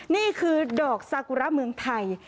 นี่คือดอกซากุระเมืองไทย